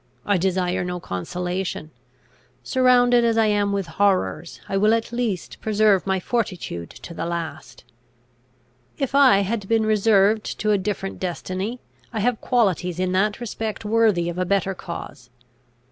I desire no consolation. Surrounded as I am with horrors, I will at least preserve my fortitude to the last. If I had been reserved to a different destiny, I have qualities in that respect worthy of a better cause.